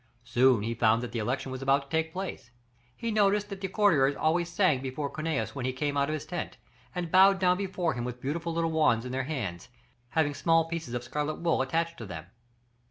Soon he found that the election was about to take place; he noticed that the courtiers always sang before Cunius when he came out of his tent, and bowed down before him with beautiful little wands in their hands, having small pieces of scarlet wool attached to them.